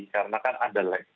karena kan ada lag